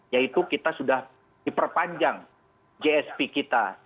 yaitu kita sudah diperpanjang gsp kita